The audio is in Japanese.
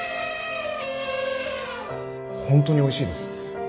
本当においしいです。